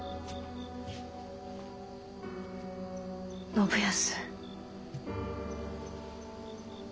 信康。